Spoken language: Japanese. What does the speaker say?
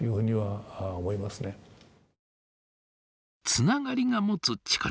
つながりが持つ力。